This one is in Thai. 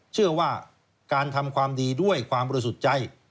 เชื่อว่าการทำความดีด้วยความบริสุทธิ์ใจ